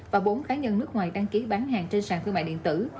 và bốn cá nhân nước ngoài đăng ký bán hàng trên sàn thương mại điện tử